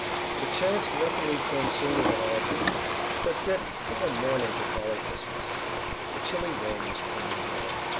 The chance luckily came sooner than I had hoped. But, Dick, what a morning to follow Christmas." A chilly rain was pouring down.